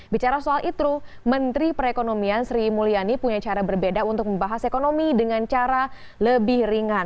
bicara soal itu menteri perekonomian sri mulyani punya cara berbeda untuk membahas ekonomi dengan cara lebih ringan